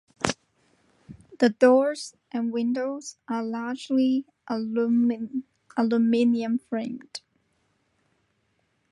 The doors and windows are largely aluminium-framed.